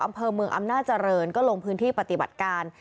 อำเภอเมืองอำนาจริงก็ลงพื้นที่ปฏิบัติการ